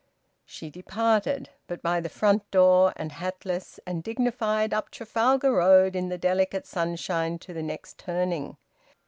She departed, but by the front door, and hatless and dignified up Trafalgar Road in the delicate sunshine to the next turning.